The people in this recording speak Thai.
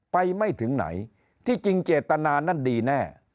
ไม่ถึงไหนที่จริงเจตนานั้นดีแน่